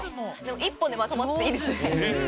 １本でまとまってていいですね。